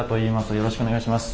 よろしくお願いします。